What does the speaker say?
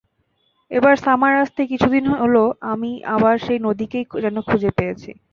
এবার সামার আসতেই, কিছুদিন হলো আমি আবার সেই নদীকেই যেন খুঁজে পেয়েছি।